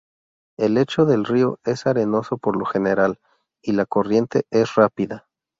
El lecho del río es arenoso por lo general y la corriente es rápida.